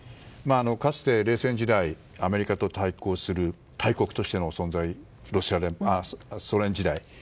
かつて冷戦時代アメリカと対抗する大国としての存在、ソ連時代の。